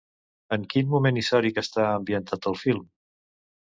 En quin moment històric està ambientat el film?